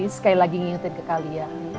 sekali lagi ngingetin ke kalian